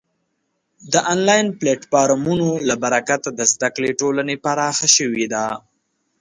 د آنلاین پلتفورمونو له برکته د زده کړې ټولنې پراخه شوې ده.